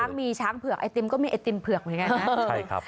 มีช้างเผือกไอติมก็มีไอติมเผือกเหมือนกันนะใช่ครับ